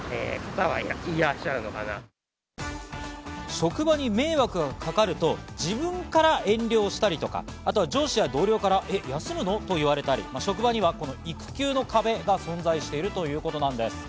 職場に迷惑がかかると自分から遠慮したり、上司や同僚から休むなと言われたり、職場には育休の壁が存在しているということです。